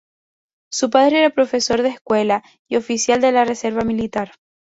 Su padre era profesor de escuela y oficial de la reserva militar.